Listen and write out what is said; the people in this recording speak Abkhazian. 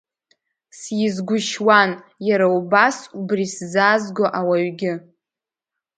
Сизгәышьуан иара убас убри сзаазго ауаҩгьы.